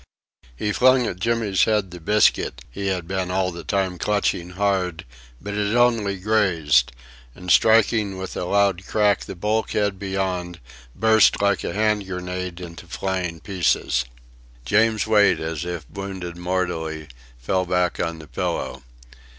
He flung at Jimmy's head the biscuit he had been all the time clutching hard, but it only grazed, and striking with a loud crack the bulkhead beyond burst like a hand grenade into flying pieces. James Wait, as if wounded mortally, fell back on the pillow.